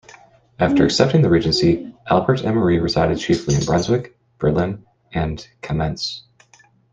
After accepting the regency, Albert and Marie resided chiefly in Brunswick, Berlin, and Kamenz.